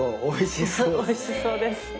おいしそうです。